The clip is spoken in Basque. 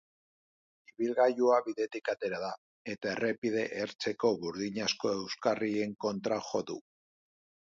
Ibilgailua bidetik atera da, eta errepide ertzeko burdinazko euskarrien kontra jo du.